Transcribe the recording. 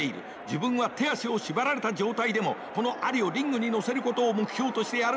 自分は手足を縛られた状態でもこのアリをリングに乗せることを目標としてやるんだと語りました。